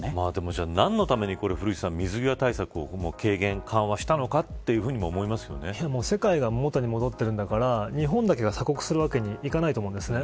じゃあ、何のために水際対策を緩和したのか世界が元に戻ってるんだから日本だけが鎖国するわけにはいかないと思うんですね。